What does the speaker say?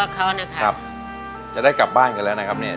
เขานะครับจะได้กลับบ้านกันแล้วนะครับเนี่ย